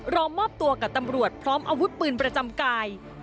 รอมอบตัวกับตำรวจพร้อมอาวุธปืนประจำกาย